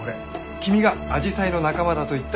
君がアジサイの仲間だと言った花だ。